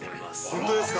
◆本当ですか。